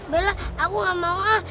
bella aku gak mau